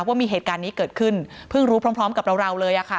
ว่ามีเหตุการณ์นี้เกิดขึ้นเพิ่งรู้พร้อมกับเราเราเลยอะค่ะ